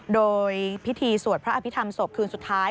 โดยพิธีสวดพระอภิษฐรรมศพคืนสุดท้าย